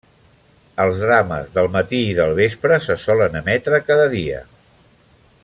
Els drames del matí i del vespre se solen emetre cada dia.